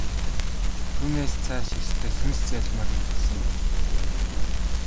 Түүнээс цааш ёстой сүнс зайлмаар юм болсон билээ.